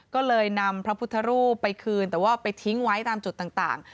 ก็เลยนำพระพุทธรูปไปคืนแต่ว่าไปทิ้งไว้ตามจุดต่าง